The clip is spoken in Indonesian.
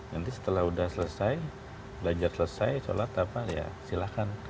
nanti setelah udah selesai belajar selesai sholat apa ya silahkan